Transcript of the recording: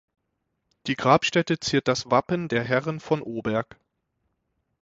Die Grabstätte ziert das Wappen der Herren von Oberg.